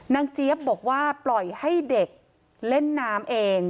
เจี๊ยบบอกว่าปล่อยให้เด็กเล่นน้ำเอง